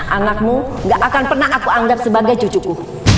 anakmu gak akan pernah aku anggap sebagai cucuku